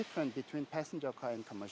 itu cukup berbeda antara mobil pesawat